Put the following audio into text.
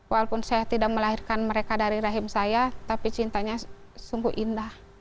walaupun saya tidak melahirkan mereka dari rahim saya tapi cintanya sungguh indah